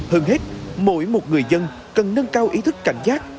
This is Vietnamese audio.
hơn hết mỗi một người dân cần nâng cao ý thức cảnh giác